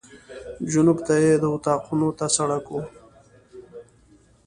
جنوب ته یې د اطاقونو ته سړک و.